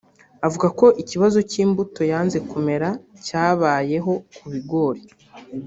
avuga ko ikibazo cy’imbuto yanze kumera cyabayeho ku bigori